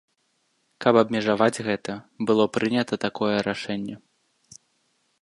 Каб абмежаваць гэта, было прынята такое рашэнне.